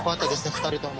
２人とも。